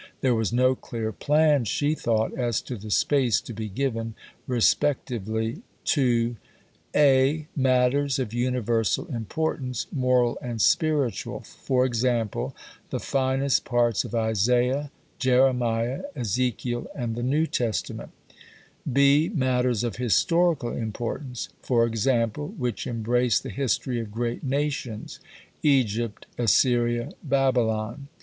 There was no clear plan, she thought, as to the space to be given, respectively, to: (a) Matters of universal importance, moral and spiritual (e.g. the finest parts of Isaiah, Jeremiah, Ezekiel and the New Testament); (b) matters of historical importance (e.g. which embrace the history of great nations, Egypt, Assyria, Babylon.